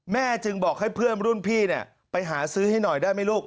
จึงบอกให้เพื่อนรุ่นพี่ไปหาซื้อให้หน่อยได้ไหมลูก